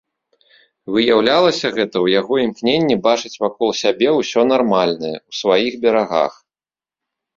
Выяўлялася гэта ў яго ў імкненні бачыць вакол сябе ўсё нармальнае, у сваіх берагах.